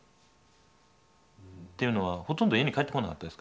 っていうのはほとんど家に帰ってこなかったですから。